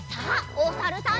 おさるさん。